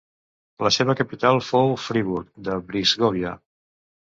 La seva capital fou Friburg de Brisgòvia.